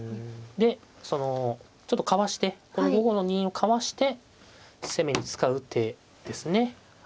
でそのちょっとかわしてこの５五の銀をかわして攻めに使う手ですね。